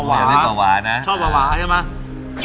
วาวาชอบวาวาใช่มั้ย